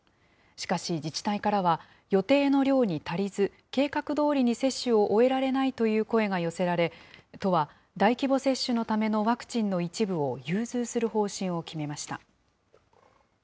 しかし、自治体からは予定の量に足りず、計画どおりに接種を終えられないという声が寄せられ、都は大規模接種のためのワクチンの一部を融通する方針を決めました。